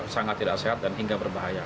sangat tidak sehat dan hingga berbahaya